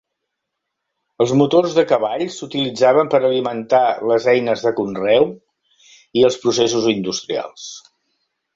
Els motors de cavalls s"utilitzaven per alimentar les eines de conreu i els processos industrials.